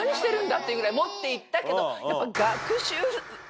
っていうぐらい持っていったけど。